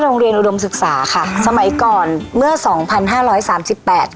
อุดมศึกษาค่ะสมัยก่อนเมื่อสองพันห้าร้อยสามสิบแปด